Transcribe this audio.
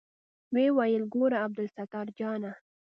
ويې ويل ګوره عبدالستار جانه.